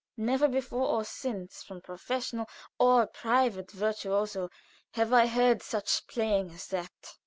Never, before or since, from professional or private virtuoso, have I heard such playing as that.